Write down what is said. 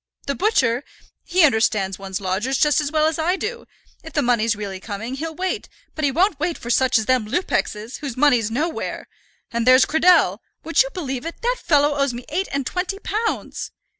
The butcher, he understands one's lodgers just as well as I do, if the money's really coming, he'll wait; but he won't wait for such as them Lupexes, whose money's nowhere. And there's Cradell; would you believe it, that fellow owes me eight and twenty pounds!"